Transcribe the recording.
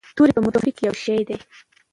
توري په مورفي کې یو شی دي.